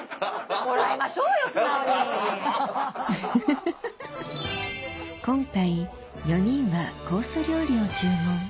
フフフフ今回４人はコース料理を注文